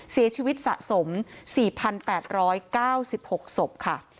เสียชีวิตสะสม๔๘๙๖ศพค่ะ